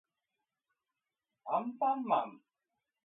あんぱんまん